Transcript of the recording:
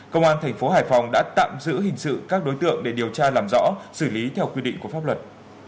công an thành phố hải phòng đã tạm giữ hình sự các đối tượng để điều tra làm rõ xử lý theo quy định của pháp luật